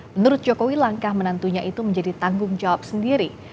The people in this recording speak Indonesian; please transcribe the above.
menurut jokowi langkah menantunya itu menjadi tanggung jawab sendiri